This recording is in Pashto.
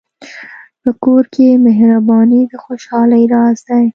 په کور کې مهرباني د خوشحالۍ راز دی.